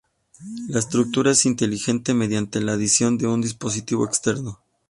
La estructura es inteligente, mediante la adición de un dispositivo externo.